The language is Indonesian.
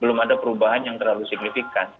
belum ada perubahan yang terlalu signifikan